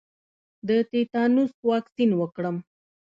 د تیتانوس واکسین وکړم؟